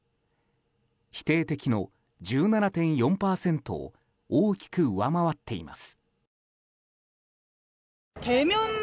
否定的の１７．４％を大きく上回っています。